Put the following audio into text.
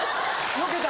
よけた！